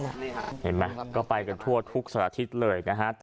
เห็นไหมก็ไปกันทั่วทุกสัตว์อาทิตย์เลยนะฮะ